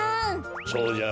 そうじゃろ？